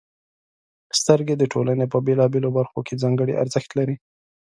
• سترګې د ټولنې په بېلابېلو برخو کې ځانګړې ارزښت لري.